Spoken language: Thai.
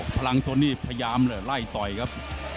พลังจนนี่พยายามไล่ต่อยครับ